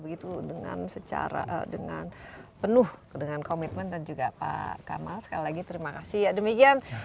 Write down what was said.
begitu dengan secara dengan penuh dengan komitmen dan juga pak kamal sekali lagi terima kasih ya demikian